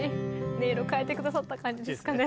音色変えてくださった感じですかね。